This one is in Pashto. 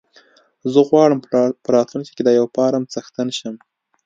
زه غواړم په راتلونکي کې د يو فارم څښتن شم.